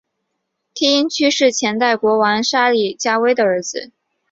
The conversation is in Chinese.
梯因屈是前代国王沙里伽维的儿子。